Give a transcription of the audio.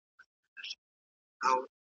استاد وویل چي تحقیق باید په ساده ژبه وي.